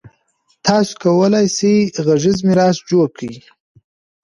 تاسو کولای شئ غږیز میراث جوړ کړئ.